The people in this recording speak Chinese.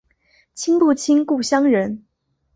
亲不亲故乡人